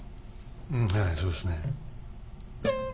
うんはいそうですね。